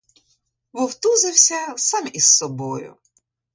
Вовтузився сам із собою.